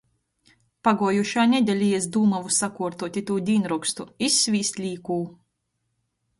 Paguojušā nedeļā es dūmuoju sakuortuot itū dīnrokstu – izsvīst līkū.